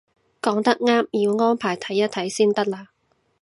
講得啱，要安排睇一睇先得嘞